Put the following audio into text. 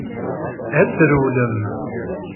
Ad trewlem.